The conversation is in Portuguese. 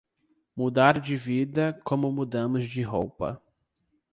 mudar de vida como mudamos de roupa